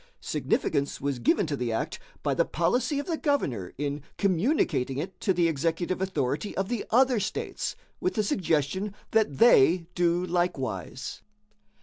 Significance was given to the act by the policy of the governor in communicating it to the executive authority of the other states, with the suggestion that they do likewise.